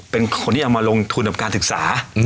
เป็นคนที่เอามาลงทุนกับการศึกษา